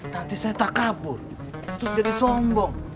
nanti saya tak kabur terus jadi sombong